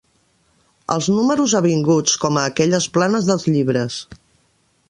Els números avinguts, com a aquelles planes dels llibres.